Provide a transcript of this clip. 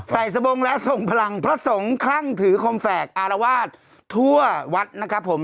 สบงแล้วส่งพลังพระสงฆ์คลั่งถือคอมแฝกอารวาสทั่ววัดนะครับผม